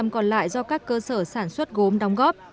năm mươi còn lại do các cơ sở sản xuất gốm đóng góp